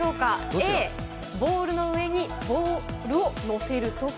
Ａ、ボールの上にボールを乗せる時。